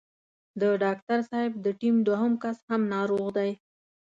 د ډاکټر صاحب د ټيم دوهم کس هم ناروغ دی.